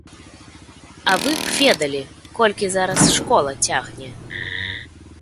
А вы б ведалі, колькі зараз школа цягне!